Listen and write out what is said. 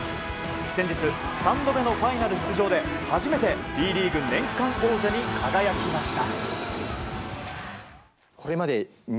先日、３度目のファイナル出場で初めてＢリーグ年間王者に輝きました。